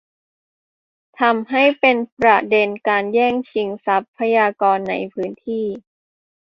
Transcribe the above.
ทำให้เป็นประเด็นการแย่งชิงทรัพยากรในพื้นที่